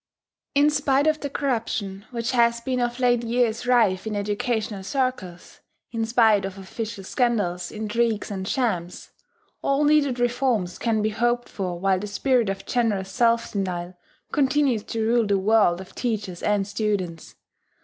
In spite of the corruption which has been of late years rife in educational circles, in spite of official scandals, intrigues, and shams, all needed reforms can be hoped for while the spirit of generous self denial continues to rule the world of teachers and students.